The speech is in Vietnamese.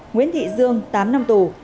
nguyễn thị dương tám năm tù